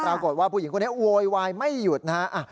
ปรากฏว่าผู้หญิงคนนี้โวยวายไม่หยุดนะฮะ